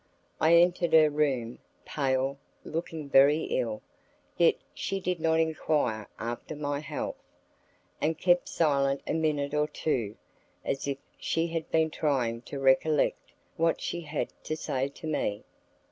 I entered her room, pale, looking very ill: yet she did not enquire after my health, and kept silent a minute or two, as if she had been trying to recollect what she had to say to me.